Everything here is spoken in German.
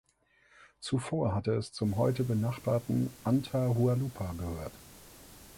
Zuvor hatte es zum heute benachbarten Atahualpa gehört.